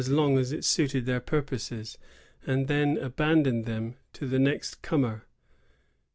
113 long as it suited their purposes, and then abandoned them to the next comer.